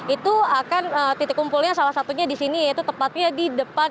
itu akan titik kumpulnya salah satunya di sini yaitu tepatnya di depan